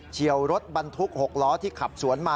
เชี่ยวรถบรรทุก๖ล้อที่ขับสวนมา